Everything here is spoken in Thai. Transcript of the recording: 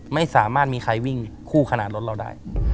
ไม่มีใครวิ่งคู่ขนาดรถเราได้